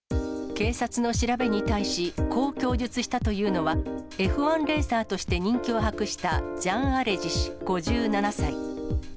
警察の調べに対し、こう供述したというのは、Ｆ１レーサーとして人気を博したジャン・アレジ氏５７歳。